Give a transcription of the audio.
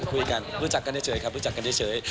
คุยกันรู้จักกันเฉยครับรู้จักกันเฉย